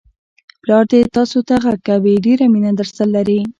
پلا دې تاسوته غږ کوي، ډېره مینه درسره لري!